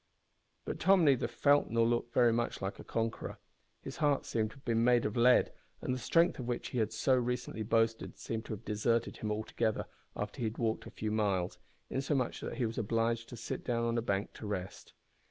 But Tom neither felt nor looked very much like a conqueror. His heart seemed to be made of lead, and the strength of which he had so recently boasted seemed to have deserted him altogether after he had walked a few miles, insomuch that he was obliged to sit down on a bank to rest.